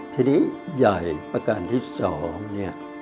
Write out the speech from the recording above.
ทีนี้ใหญ่ประกาศที่สอง